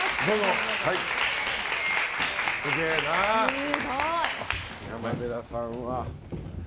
すげえな、山寺さんは。